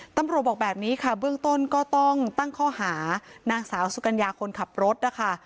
ตำรวจบอกแบบนี้ค่ะเบื้องต้นก็ต้องตั้งข้อหานางสาวสุกัญญาคนขับรถนะคะ